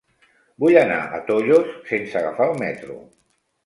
Vull anar a Tollos sense agafar el metro.